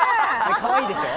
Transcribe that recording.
かわいいでしょ？